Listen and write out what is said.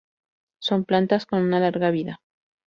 Son plantas con una larga vida.